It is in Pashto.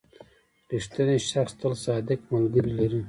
• رښتینی شخص تل صادق ملګري لري.